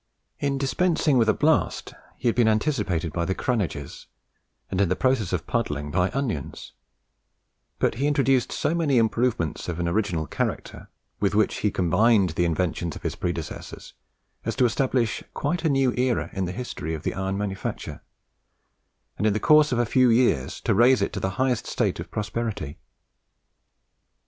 In dispensing with a blast, he had been anticipated by the Craneges, and in the process of puddling by Onions; but he introduced so many improvements of an original character, with which he combined the inventions of his predecessors, as to establish quite a new era in the history of the iron manufacture, and, in the course of a few years, to raise it to the highest state of prosperity.